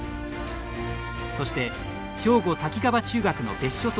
そして兵庫・滝川中学の別所投手。